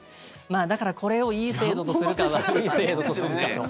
だからこれをいい制度とするか悪い制度とするかと。